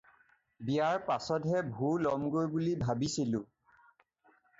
বিয়াৰ পাচতহে ভু ল'মগৈ বুলি ভাবিছিলোঁ।